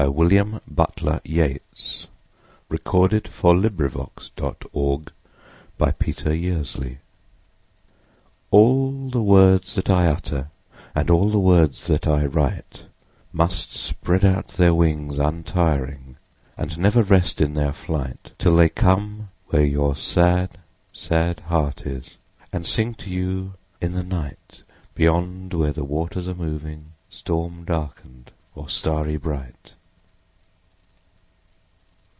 William Butler Yeats. b. 1865 862. Where My Books go ALL the words that I utter, And all the words that I write, Must spread out their wings untiring, And never rest in their flight, Till they come where your sad, sad heart is, 5 And sing to you in the night, Beyond where the waters are moving, Storm darken'd or starry bright.